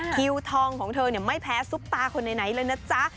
คิวทองของเธอไม่แพ้ซุปตาคนไหนเลยนะจ๊ะ